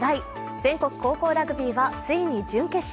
全国高校ラグビーはついに準決勝。